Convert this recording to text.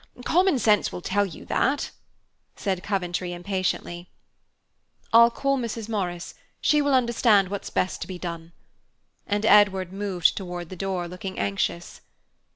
Common sense will tell you that," said Coventry impatiently. "I'll call Mrs. Morris; she will understand what's best to be done." And Edward moved toward the door, looking anxious.